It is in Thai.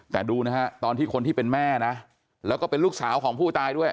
แต่ดูนะฮะตอนที่คนที่เป็นแม่นะแล้วก็เป็นลูกสาวของผู้ตายด้วย